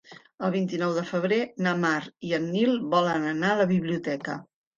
El vint-i-nou de febrer na Mar i en Nil volen anar a la biblioteca.